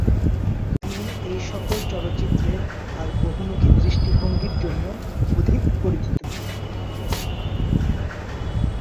তিনি এই সকল চলচ্চিত্রে তাঁর বহুমুখী দৃষ্টিভঙ্গির জন্য অধিক পরিচিত।